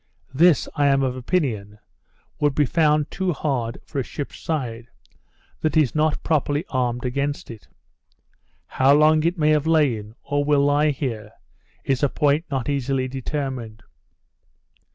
This, I am of opinion, would be found too hard for a ship's side, that is not properly armed against it. How long it may have lain, or will lie here, is a point not easily determined.